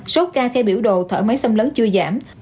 số ca theo biểu đồ thở máy xâm lấn chưa giảm